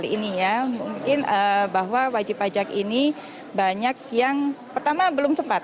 ini ya mungkin bahwa wajib pajak ini banyak yang pertama belum sempat